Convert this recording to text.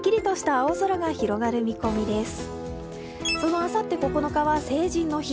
あさって９日は成人の日。